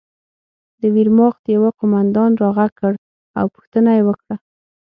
د ویرماخت یوه قومندان را غږ کړ او پوښتنه یې وکړه